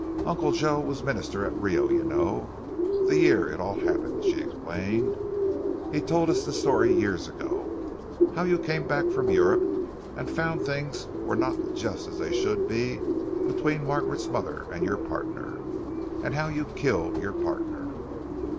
"Uncle Joe was Minister at Rio, you know, the year it all happened," she explained. "He told us the story years ago how you came back from Europe and found things were not just as they should be between Margaret's mother and your partner, and how you killed your partner."